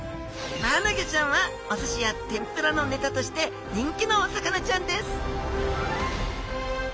マアナゴちゃんはおすしや天ぷらのネタとして人気のお魚ちゃんです。